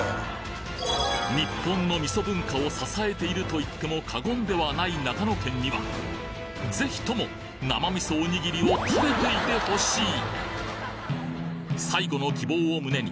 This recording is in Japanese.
日本の味噌文化を支えていると言っても過言ではない長野県にはぜひとも生味噌おにぎりを食べていてほしい！